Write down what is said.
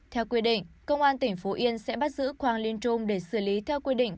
theo quy định công an tỉnh phú yên sẽ bắt giữ quang liên trung để xử lý theo quy định